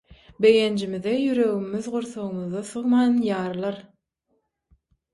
begenjimize ýüregimiz gursagymyza sygman ýarylar.